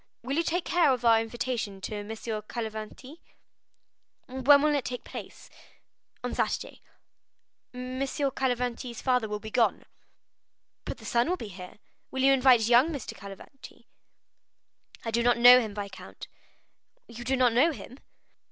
Will you take charge of our invitation to Messieurs Cavalcanti?" "When will it take place?" "On Saturday." "M. Cavalcanti's father will be gone." "But the son will be here; will you invite young M. Cavalcanti?" "I do not know him, viscount." "You do not know him?"